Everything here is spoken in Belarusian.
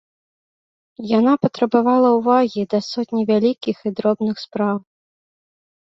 Яна патрабавала ўвагі да сотні вялікіх і дробных спраў.